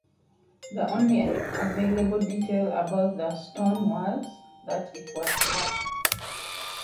The only available detail about the stone was that it was black.